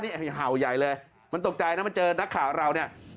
เฮ่ยห่าวใหญ่เลยมันตกใจนะมันเจอนักข่าวเรา